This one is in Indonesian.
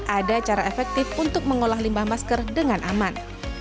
ada cara efektif untuk mengolah limbah masker dengan aman